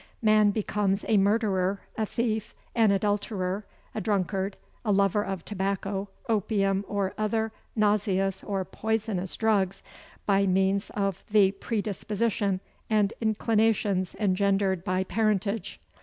Man becomes a murderer, a thief, an adulterer, a drunkard, a lover of tobacco, opium, or other nauseous or poisonous drugs, by means of the predisposition, and inclinations engendered by parentage.